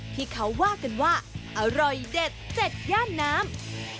ที่เขาว่ากันว่าอร่อยเด็ดเจ็ดย่านน้ำ